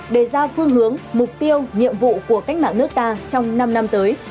để ra phương hướng mục tiêu nhiệm vụ của cách mạng nước ta trong năm năm tới